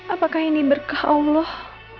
apakah ini berkah allah